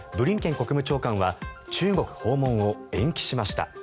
国務長官は中国訪問を延期しました。